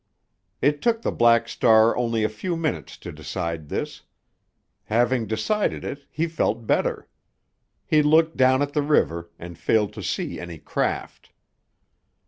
It took the Black Star only a few minutes to decide this. Having decided it, he felt better. He looked down at the river, and failed to see any craft.